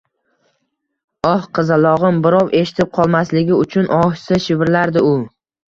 Oh, qizalog`im, birov eshitib qolmasligi uchun ohista shivirlardi u